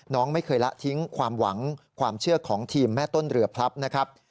น้องไม่เคยละทิ้งความหวังความเชื่อของทีมแม่ต้นเรือพลับนะครับ